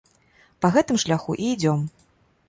Па гэтым шляху і ідзём.